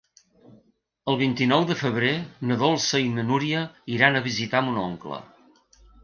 El vint-i-nou de febrer na Dolça i na Núria iran a visitar mon oncle.